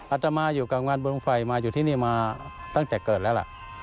อาตมาอยู่กับงานบุญไฟมาอยู่ที่นี่มาตั้งแต่เกิดแล้วล่ะ